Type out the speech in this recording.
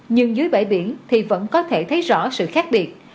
nhưng dưới bãi biển thì vẫn có thể thấy rõ sự khác biệt